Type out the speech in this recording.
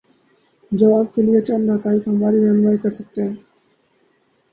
جواب کے لیے چند حقائق ہماری رہنمائی کر سکتے ہیں۔